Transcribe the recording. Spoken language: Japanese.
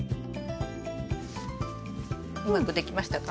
うまくできましたか？